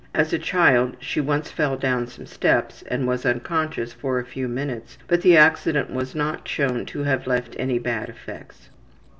As a child she once fell down some steps and was unconscious for a few minutes, but the accident was not known to have left any bad effects.